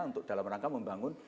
untuk dalam rangka membangun